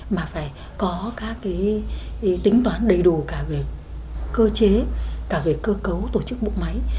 mà phải có các cái tính toán đầy đủ cả về cơ chế cả về cơ cấu tổ chức bộ máy